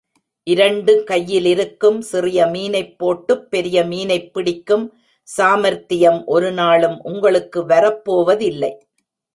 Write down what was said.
இரண்டு கையிலிருக்கும் சிறிய மீனைப் போட்டுப் பெரிய மீனைப் பிடிக்கும் சாமர்த்தியம் ஒரு நாளும் உங்களுக்கு வரப் போவதில்லை.